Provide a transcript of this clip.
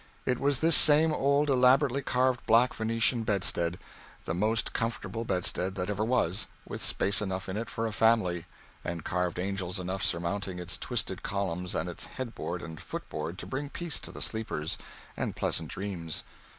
It was this same old elaborately carved black Venetian bedstead the most comfortable bedstead that ever was, with space enough in it for a family, and carved angels enough surmounting its twisted columns and its headboard and footboard to bring peace to the sleepers, and pleasant dreams.